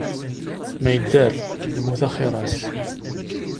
Ma yedder, lmut axir-as.